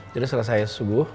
jadi setelah saya subuh